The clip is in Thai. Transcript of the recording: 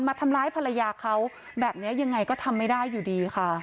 มาทำร้ายภรรยาเขาแบบนี้ยังไงก็ทำไม่ได้อยู่ดีค่ะ